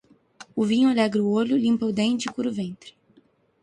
O vinho alegra o olho, limpa o dente e cura o ventre.